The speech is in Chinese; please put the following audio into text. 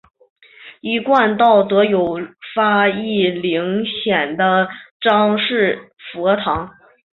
一贯道则有发一灵隐的张氏佛堂。